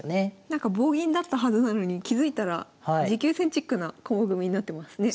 なんか棒銀だったはずなのに気付いたら持久戦チックな駒組みになってますね。